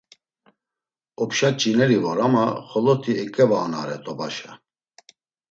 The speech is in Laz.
Opşa nç̌ineri vor ama xoloti eǩevaonare t̆obaşa.